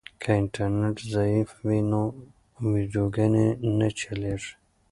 که انټرنیټ ضعیف وي نو ویډیوګانې نه چلیږي.